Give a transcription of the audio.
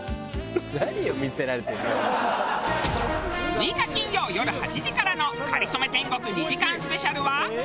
６日金曜よる８時からの『かりそめ天国』２時間スペシャルは。